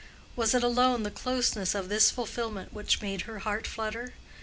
Was it alone the closeness of this fulfilment which made her heart flutter?